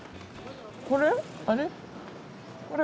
これ？